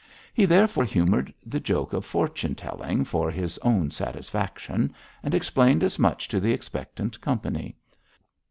He therefore humoured the joke of fortune telling for his own satisfaction, and explained as much to the expectant company.